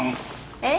えっ？